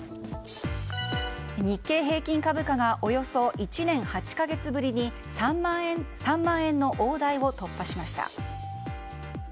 日経平均株価がおよそ１年８か月ぶりに３万円の大台を突破しました。